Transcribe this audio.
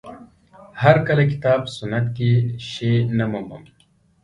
هر کله کتاب سنت کې شی نه مومم